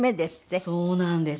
そうなんです。